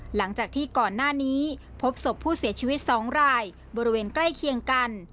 หลังจากที่ก่อนหน้านี้พบศพผู้เสียชีวิต๒รายบริเวณใกล้เคียงกัน